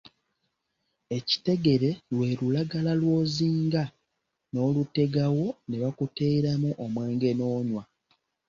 Ekitegere lwe lulagala lw’ozinga n’olutegawo ne bakuteeramu omwenge n’onywa.